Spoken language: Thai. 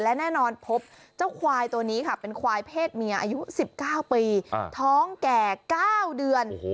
และแน่นอนพบเจ้าควายตัวนี้ค่ะเป็นควายเพศเมียอายุ๑๙ปีท้องแก่๙เดือน